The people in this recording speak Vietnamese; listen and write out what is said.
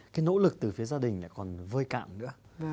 cái nỗ lực từ phía gia đình lại còn vơi cạn nữa